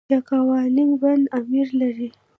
یکاولنګ بند امیر لري؟